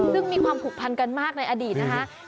ซึ่งมีความผูกพันกันมากในอดีตนะคะ